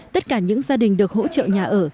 tất cả những gia đình được hỗ trợ nhà ở